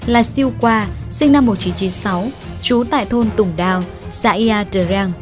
là siêu qua sinh năm một nghìn chín trăm chín mươi sáu trú tại thôn tùng đào xã yà trang